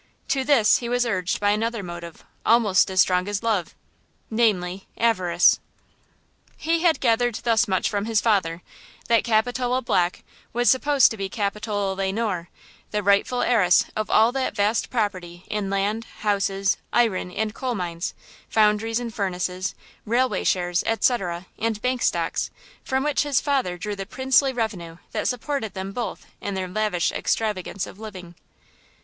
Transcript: To this he was urged by another motive almost as strong as love–namely, avarice. He had gathered thus much from his father, that Capitola Black was supposed to be Capitola Le Noir, the rightful heiress of all that vast property in land, houses, iron and coal mines, foundries and furnaces, railway shares, etc., and bank stocks, from which his father drew the princely revenue that supported them both in their lavish extravagance of living.